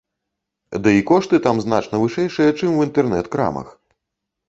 Ды і кошты там значна вышэйшыя, чым у інтэрнэт-крамах.